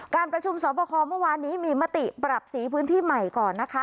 การประชุมสอบคอเมื่อวานนี้มีมติปรับสีพื้นที่ใหม่ก่อนนะคะ